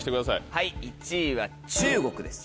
はい１位は中国です。